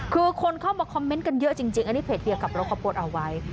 คือคนเข้ามาคอมเมนต์กันเยอะจริงอันนี้เพจเฮียขับรถเขาโพสต์เอาไว้